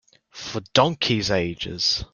For donkeys' ages.